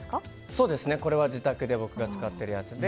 そうですね、これは自宅で僕が使っているやつで。